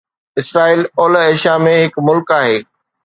اسرائيل اولهه ايشيا ۾ هڪ ملڪ آهي